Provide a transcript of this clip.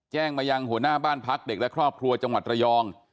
แจ้งมายังหัวหน้าบ้านพักเด็กและครอบครัวจังหวัดระยอง